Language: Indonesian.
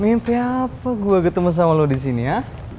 mimpi apa gua ketemu sama lu di sini ya